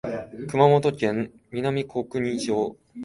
熊本県南小国町